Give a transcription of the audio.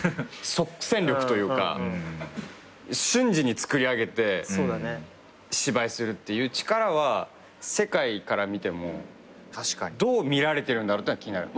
即戦力というか瞬時に作り上げて芝居するっていう力は世界から見てもどう見られてるんだろうってのは気になる。